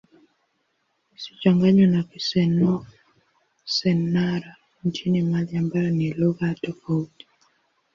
Isichanganywe na Kisenoufo-Syenara nchini Mali ambayo ni lugha tofauti.